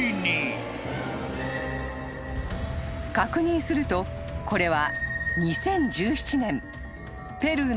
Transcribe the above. ［確認するとこれは］